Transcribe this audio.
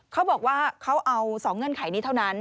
เขาบอกว่าเขาเอา๒เงื่อนไขนี้เท่านั้น